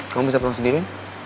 kamu bisa pulang sendiri